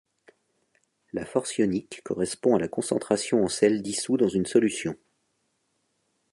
La force ionique correspond à la concentration en sel dissous dans une solution.